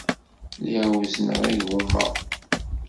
Lliɣ wezzneɣ igumma.